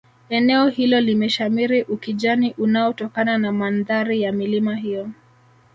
eneo hilo limeshamiri ukijani unaotokana na mandhari ya milima hiyo